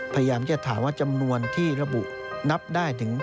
พยายามจะถามว่าจำนวนที่ระบุ